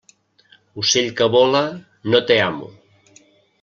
Ocell que vola, no té amo.